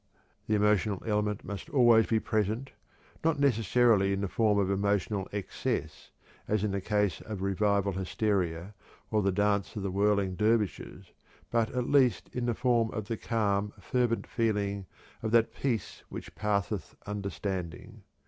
The emotional element must always be present, not necessarily in the form of emotional excess, as in the case of revival hysteria or the dance of the whirling dervishes, but at least in the form of the calm, fervent feeling of "that peace which passeth understanding."